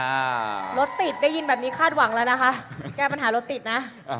อ่ารถติดได้ยินแบบนี้คาดหวังแล้วนะคะแก้ปัญหารถติดนะอ่า